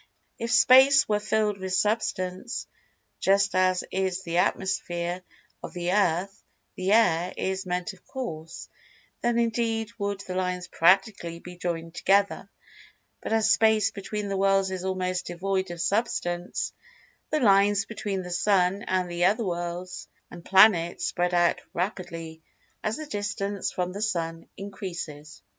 If Space were filled with Substance, just as is the Atmosphere of the Earth—the Air, is meant of course—then indeed would the lines practically be joined together, but as Space between the worlds is almost devoid of Substance, the lines between the Sun and the other worlds, and planets, spread out rapidly as the distance from the Sun increases.